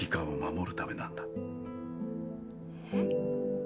えっ？